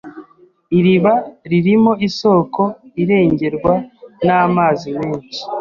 Iriba ririmo isoko irengerwa namazi menshi